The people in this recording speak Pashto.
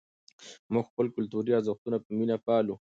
موږ خپل کلتوري ارزښتونه په مینه پالو.